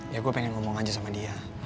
ya gue pengen ngomong aja sama dia